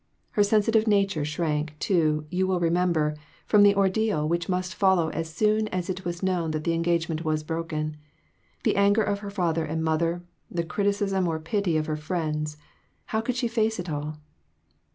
Her sensitive nature shrank, too, you will remember, from the ordeal which must follow as soon as it was known that the engagement was broken. The anger of her father and mother, the criticism or pity of her friends how could she face it all?